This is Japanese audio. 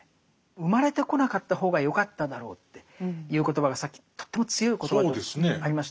生まれてこなかった方がよかっただろうっていう言葉がさっきとっても強い言葉がありましたね。